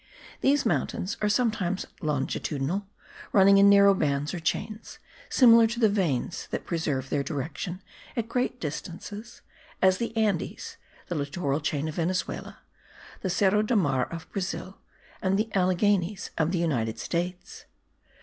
These mountains are sometimes longitudinal, running in narrow bands or chains, similar to the veins that preserve their directions at great distances, as the Andes, the littoral chain of Venezuela, the Serra do Mar of Brazil, and the Alleghenies of the United States.